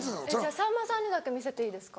さんまさんにだけ見せていいですか？